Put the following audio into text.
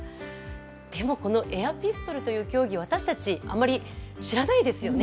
でもこのエアピストルという競技、私たちあまり知らないですよね。